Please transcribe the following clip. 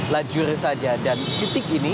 lajur saja dan titik ini